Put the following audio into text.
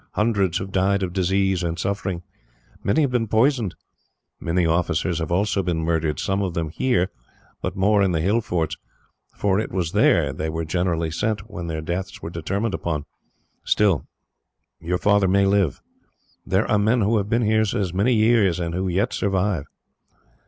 Hundreds have died of disease and suffering. Many have been poisoned. Many officers have also been murdered, some of them here, but more in the hill forts; for it was there they were generally sent, when their deaths were determined upon. "Still, he may live. There are men who have been here as many years, and who yet survive."